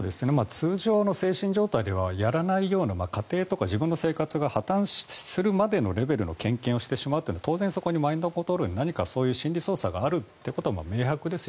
通常の精神状態ではやらないような家庭とか自分の生活が破たんするレベルまでの献金をしてしまうというのは当然そこにマインドコントロールにそこの心理操作があるということも明白です。